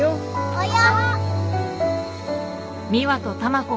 およ。